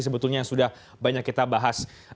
sebetulnya yang sudah banyak kita bahas